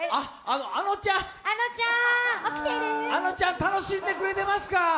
あのちゃん楽しんでくれてますか？